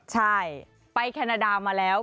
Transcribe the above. ใช่ไปแคนาดามาแล้ว